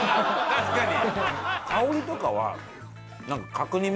確かに！